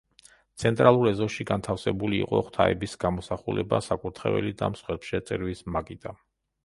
ცენტრალურ ეზოში განთავსებული იყო ღვთაების გამოსახულება, საკურთხეველი და მსხვერპლშეწირვის მაგიდა.